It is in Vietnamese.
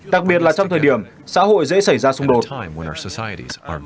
đặc biệt là trong thời điểm xã hội dễ xảy ra xung đột